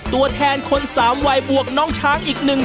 ตัวแทนคน๓วัยบวกน้องช้างอีก๑คน